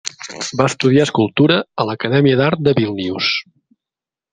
Va estudiar escultura a l'Acadèmia d'Art de Vílnius.